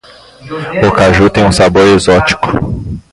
O caju tem um sabor exótico.